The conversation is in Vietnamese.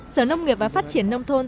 sở nông nghiệp và phát triển nông thôn